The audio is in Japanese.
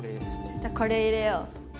じゃあこれ入れよう。